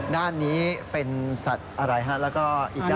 ด้านนี้เป็นสัตว์อะไรฮะ